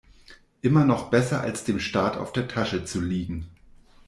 Immer noch besser, als dem Staat auf der Tasche zu liegen.